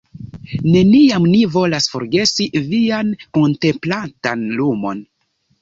Neniam ni volas forgesi vian kontemplatan Lumon.